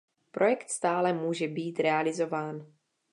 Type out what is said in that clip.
Projekt stále může být realizován.